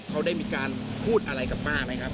เขาได้มีการพูดอะไรกับป้าไหมครับ